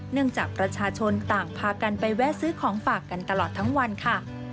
จากประชาชนต่างพากันไปแวะซื้อของฝากกันตลอดทั้งวันค่ะ